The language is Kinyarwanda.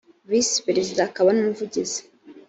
visi perezida akaba n umuvugizi